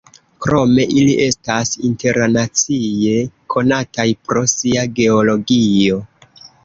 Krome ili estas internacie konataj pro sia geologio.